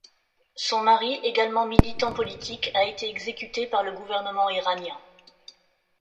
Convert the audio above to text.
Son mari, également militant politique, a été exécuté par le gouvernement iranien.